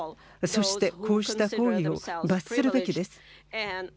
そしてこうした抗議を罰するべきです。